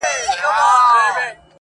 سیوری د قسمت مي په دې لاره کي لیدلی دی!!